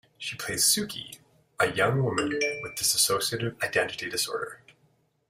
She plays Suki, a young woman with dissociative identity disorder.